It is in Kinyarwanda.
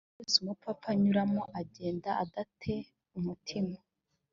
inzira yose umupfapfa anyuramo agenda ada te umutima